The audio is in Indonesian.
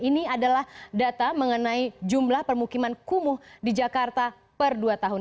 ini adalah data mengenai jumlah permukiman kumuh di jakarta per dua tahun